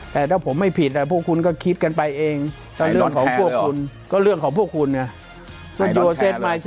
แต่ถ้าผมไม่ผิดพวกคุณก็คิดกันไปเองถ้าเรื่องของพวกคุณก็เรื่องของพวกคุณไง